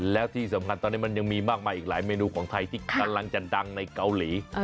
แล้วที่สำคัญตอนนี้มันยังมีมากมายอีกหลายเมนูของไทยที่กำลังจะดังในเกาหลี